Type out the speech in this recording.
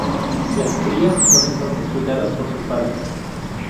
Las crías son entonces cuidadas por sus padres.